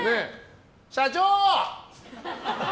社長！